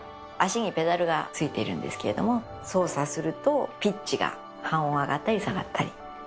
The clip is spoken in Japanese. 足にペダルがついているんですけれども操作するとピッチが半音上がったり下がったり。